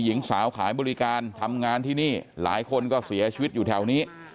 หญิงสาวขายบริการทำงานที่นี่หลายคนก็เสียชีวิตอยู่แถวนี้